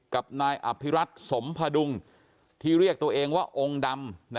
กับนายอภิรัตสมพดุงที่เรียกตัวเองว่าองค์ดำ